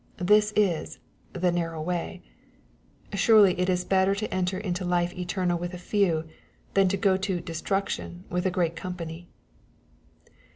This is ^* the narrow way/' Surely it is better to enter into life eternal with a few, than to go to " destruction" with a great company.